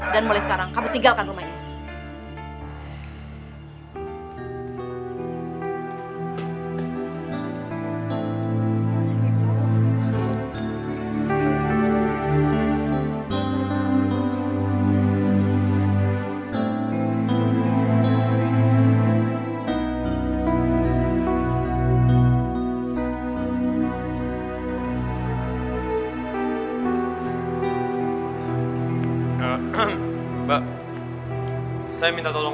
dan mulai sekarang kamu tinggalkan rumah ibu